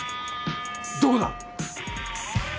どこだ！